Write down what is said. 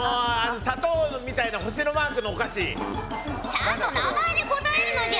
ちゃんと名前で答えるのじゃ！